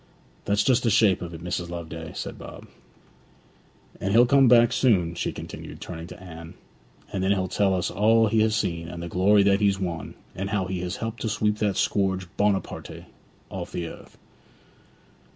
'That's just the shape of it, Mrs. Loveday,' said Bob. 'And he'll come back soon,' she continued, turning to Anne. 'And then he'll tell us all he has seen, and the glory that he's won, and how he has helped to sweep that scourge Buonaparty off the earth.'